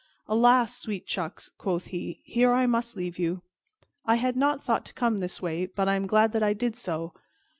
"Alas! sweet chucks," quoth he, "here I must leave you. I had not thought to come this way, but I am glad that I did so.